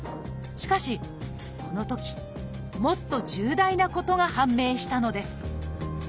しかしこのときもっと重大なことが判明したのです。